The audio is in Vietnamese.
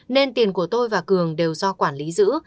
nên tiền của tôi và cường đều do quản lý giữ